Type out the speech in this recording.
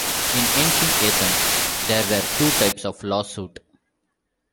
In Ancient Athens, there were two types of lawsuit.